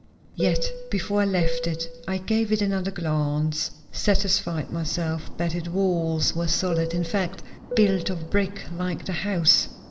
Yet before I left it I gave it another glance; satisfied myself that its walls were solid; in fact, built of brick like the house.